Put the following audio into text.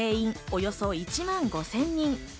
およそ１万５０００人。